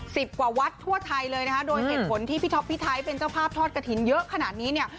สิบกว่าวัดทั่วไทยเลยนะคะโดยเหตุผลที่พี่ท็อปพี่ไทยเป็นเจ้าภาพทอดกระถิ่นเยอะขนาดนี้เนี่ย